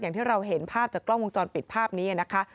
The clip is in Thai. อย่างที่เราเห็นภาพจากกล้องวงจรปิดภาพนี้นะคะ